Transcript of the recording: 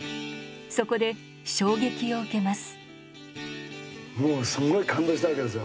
そこで衝撃を受けます。